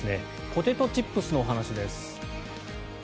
ポテトチップスの話です。